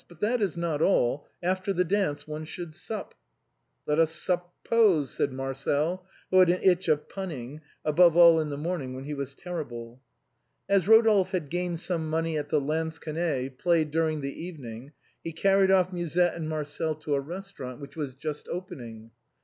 But that is not all, after the dance one should sup." " Let us sup pose," said Marcel, who had an itch of punning, above all in the morning, when he was terrible. As Rodolphe had gained some money at the lansquenet played during the evening, he carried off Musette and Marcel to a restaurant which was just opening.